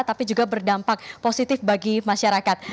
tapi juga berdampak positif bagi masyarakat